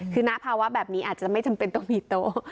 คือณภาวะแบบนี้อาจจะไม่จำเป็นต้องมีโต๊ะ